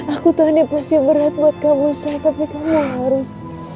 aku tuh ini pasti berat buat kamu saya tapi kamu harus